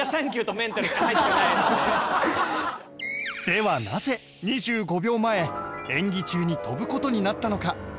ではなぜ２５秒前演技中に跳ぶ事になったのか？